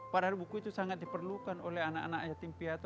padahal buku itu sangat diperlukan oleh anak anak yatim piatu